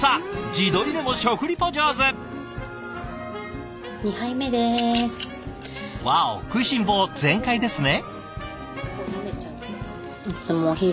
自撮りでも食リポ上手！わお食いしん坊全開ですね。